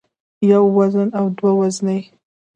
يوه زن او دوه زنې